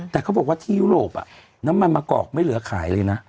แต่เขาบอกว่าที่ยุโรปน้ำมันมะกอกไม่เหลือขายเลยนะ